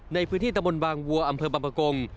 ในพื้นที่ตะบนบางวัวอำเภอบางประกง